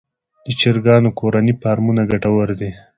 د چرګانو کورني فارمونه ګټور دي